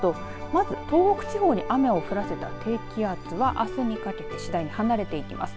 まず東北地方に雨を降らせた低気圧はあすにかけて次第に離れていきます。